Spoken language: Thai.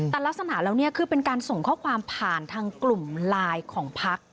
แต่ลักษณะแล้วเนี่ยคือเป็นการส่งข้อความผ่านทางกลุ่มไลน์ของพัก